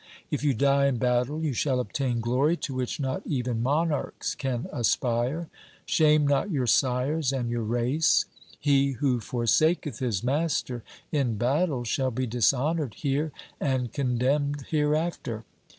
If you die in battle, you shall obtain glory to which not even monarchs can aspire. Shame not your sires and your race. He who forsaketh his master in battle shall be dishonoured here and condemned hereafter.